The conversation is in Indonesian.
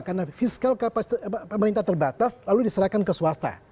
karena fiskal kapasitas pemerintah terbatas lalu diserahkan ke swasta